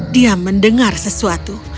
dia mendengar sesuatu